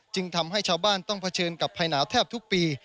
ทำให้ชาวบ้านต้องเผชิญกับภายหนาวแทบทุกปี